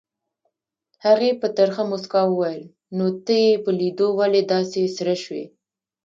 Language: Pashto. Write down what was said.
هغې په ترخه موسکا وویل نو ته یې په لیدو ولې داسې سره شوې؟